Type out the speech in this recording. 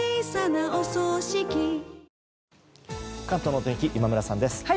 関東の天気今村さんです。